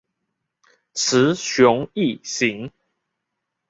雌雄异型。